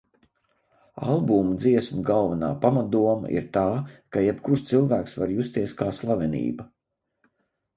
Albuma dziesmu galvenā pamatdoma ir tā, ka jebkurš cilvēks var justies kā slavenība.